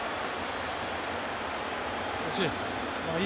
惜しい。